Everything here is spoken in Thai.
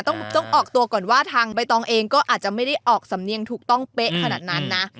ต้องออกตัวก่อนว่าทางใบตองเองก็อาจจะไม่ได้ออกสำเนียงถูกต้องเป๊ะขนาดนั้นนะ